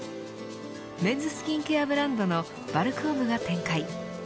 メンズスキンケアブランドのバルクオムが展開。